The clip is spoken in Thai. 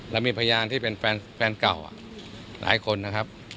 แล้วมีพยานที่เป็นแฟนเก่าหลายคนนะครับ